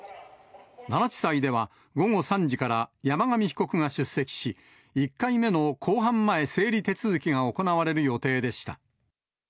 奈良地裁では、午後３時から山上被告が出席し、１回目の公判前整理手続きが行われる予定でした。